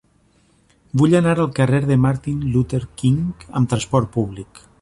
Vull anar al carrer de Martin Luther King amb trasport públic.